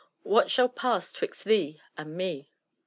What shall pass 'twixt thee and me.''